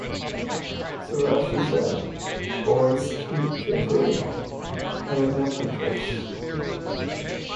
So as she said, the boy skinned it carefully and with no punctures.